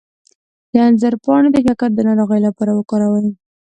د انځر پاڼې د شکر د ناروغۍ لپاره وکاروئ